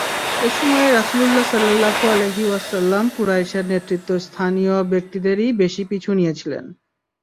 এ সময়ে রাসূলুল্লাহ সাল্লাল্লাহু আলাইহি ওয়াসাল্লাম কুরাইশের নেতৃস্থানীয় ব্যক্তিদেরই বেশী পিছু নিয়েছিলেন।